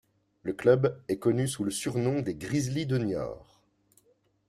Le club est connu sous le surnom des Grizzlys de Niort.